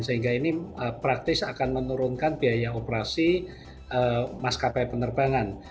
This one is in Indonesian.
sehingga ini praktis akan menurunkan biaya operasi maskapai penerbangan